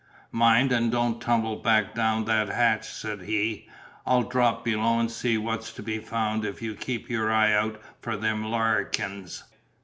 "Mind and don't tumble back down that hatch," said he, "I'll drop below and see what's to be found if you keep your eye out for them Larrikens.